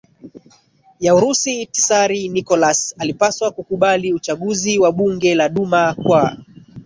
ya Urusi Tsar Nikolas alipaswa kukubali uchaguzi wa bunge la duma kwa